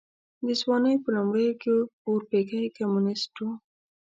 د ځوانۍ په لومړيو کې اورپکی کمونيسټ و.